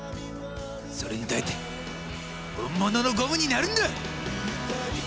それに耐えて本物のゴムになるんだ！